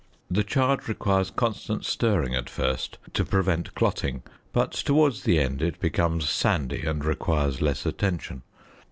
The charge requires constant stirring at first to prevent clotting, but towards the end it becomes sandy and requires less attention.